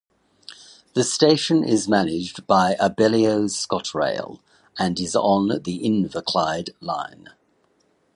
The station is managed by Abellio ScotRail and is on the Inverclyde Line.